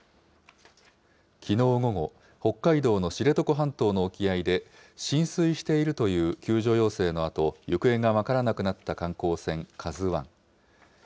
きのう午後、北海道の知床半島の沖合で、浸水しているという救助要請のあと、行方が分からなくなった観光船、ＫＡＺＵわん。